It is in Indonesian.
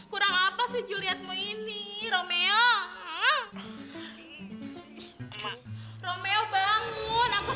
kurang apa sih julietmu ini romeo